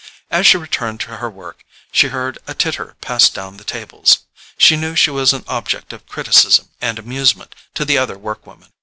As she returned to her work she heard a titter pass down the tables. She knew she was an object of criticism and amusement to the other work women.